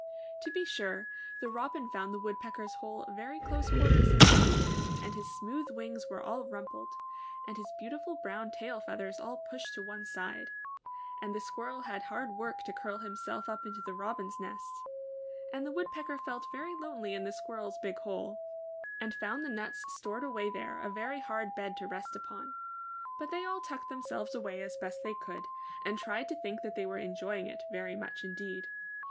To be sure, the Robin found the Woodpecker's hole very close quarters indeed, and his smooth wings were all rumpled, and his beautiful brown tail feathers all pushed to one side; and the Squirrel had hard work to curl himself up into the Robin's nest; and the Woodpecker felt very lonely in the Squirrel's big hole, and found the nuts stored away there a very hard bed to rest upon; but they all tucked them selves away as best they could, and tried to think that they were enjoying it very much indeed.